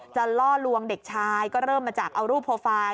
ล่อลวงเด็กชายก็เริ่มมาจากเอารูปโปรไฟล์